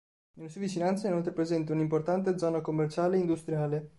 Nelle sue vicinanze è inoltre presente una importante zona commerciale e industriale.